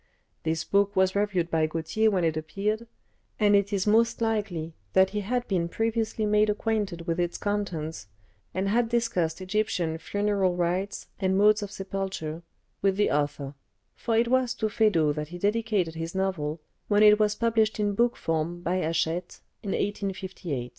This book was reviewed by Gautier when it appeared, and it is most likely that he had been previously made acquainted with its contents and had discussed Egyptian funeral rites and modes of sepulture with the author, for it was to Feydeau that he dedicated his novel when it was published in book form by Hachette in 1858.